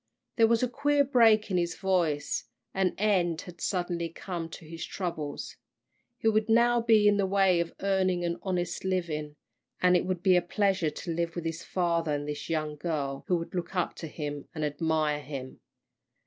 There was a queer break in his voice. An end had suddenly come to his troubles. He would now be in the way of earning an honest living. And it would be a pleasure to live with his father and this young girl who would look up to him and admire him.